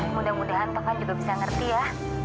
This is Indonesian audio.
mudah mudahan toka juga bisa ngerti ya